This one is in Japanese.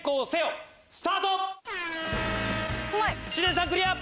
知念さんクリア！